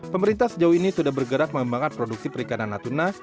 pemerintah sejauh ini sudah bergerak mengembangkan produksi perikanan natuna